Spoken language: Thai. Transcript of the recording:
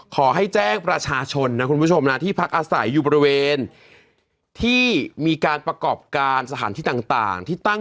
ขอให้แจ้งประชาชนนะคุณผู้ชมนะที่พักอาศัยอยู่บริเวณที่มีการประกอบการสถานที่ต่างที่ตั้ง